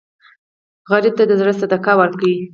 سوالګر ته د زړه صدقه ورکوئ